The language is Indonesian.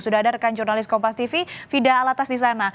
sudah ada rekan jurnalis kompas tv fida alatas di sana